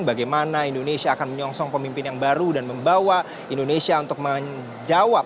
bagaimana indonesia akan menyongsong pemimpin yang baru dan membawa indonesia untuk menjawab